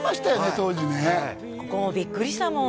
当時ねここもビックリしたもん